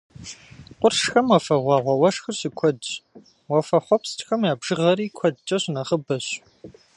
Къуршхэми уафэгъуагъуэ уэшхыр щыкуэдщ, уафэхъуэпскӏхэм я бжыгъэри куэдкӏэ щынэхъыбэщ.